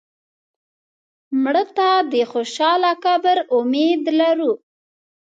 مړه ته د خوشاله قبر امید لرو